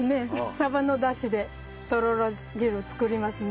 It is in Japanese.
サバの出汁でとろろ汁を作りますね。